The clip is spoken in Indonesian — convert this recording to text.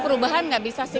perubahan nggak bisa sih